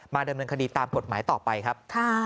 ดำเนินคดีตามกฎหมายต่อไปครับ